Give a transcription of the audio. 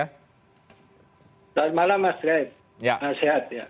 selamat malam mas red sehat ya